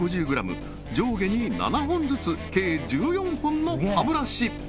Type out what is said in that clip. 上下に７本ずつ計１４本の歯ブラシ